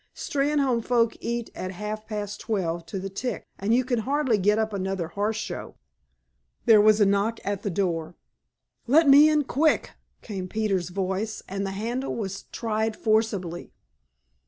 Steynholme folk eat at half past twelve to the tick, and you can hardly get up another horse show." There was a knock at the door. "Let me in, quick!" came Peters's voice, and the handle was tried forcibly.